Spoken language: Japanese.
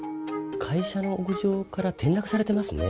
会社の屋上から転落されてますね。